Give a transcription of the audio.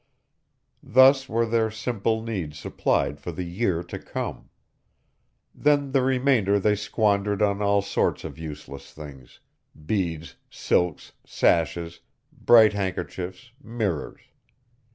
Thus were their simple needs supplied for the year to come. Then the remainder they squandered on all sorts of useless things beads, silks, sashes, bright handkerchiefs, mirrors.